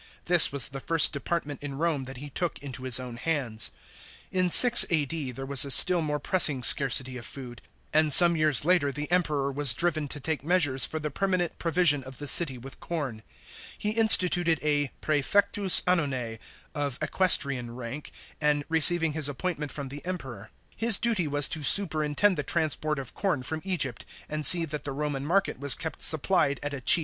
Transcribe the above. This was the first department in Rome that he took into his own hands. In 6 A.D., there was a still more pressing scarcity of food, and, some years later the Emperor was driven to take measures for the permanent provision of the city with corn. He instituted a prasfectus annonse, of equestrian rank, and receiving his appointment from the Emperor. His duty was to superintend the transport of corn from Egypt, and see that the Roman market was kept supplied at a cheap 27 B.a 14 A.D. CORN SUPPLY.